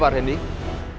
bara juga diomongin